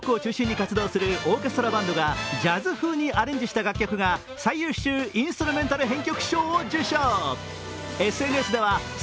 今回、ニューヨークを中心に活動するオーケストラバンドがジャズ風にアレンジした楽曲が最優秀インストゥルメンタル編曲賞を受賞。